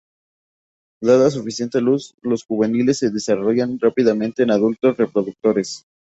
Dada suficiente luz, los juveniles se desarrollan rápidamente en adultos reproductores.